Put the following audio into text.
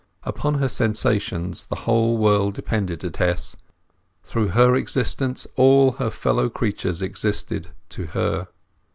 Upon her sensations the whole world depended to Tess; through her existence all her fellow creatures existed, to her.